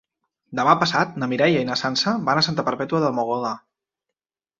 Demà passat na Mireia i na Sança van a Santa Perpètua de Mogoda.